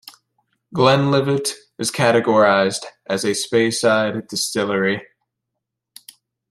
Glenlivet is categorised as a Speyside distillery.